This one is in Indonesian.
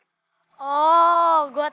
aduh nanti aku nanggung juga